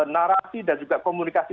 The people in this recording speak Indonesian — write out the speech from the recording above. narasi dan juga komunikasi